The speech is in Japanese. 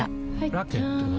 ラケットは？